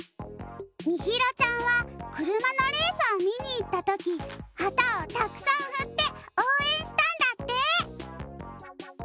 みひろちゃんはくるまのレースをみにいったときはたをたくさんふっておうえんしたんだって。